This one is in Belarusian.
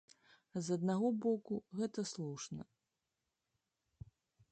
З аднаго боку, гэта слушна.